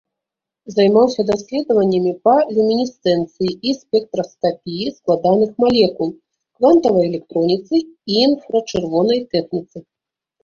Займаўся даследаваннямі па люмінесцэнцыі і спектраскапіі складаных малекул, квантавай электроніцы, інфрачырвонай тэхніцы.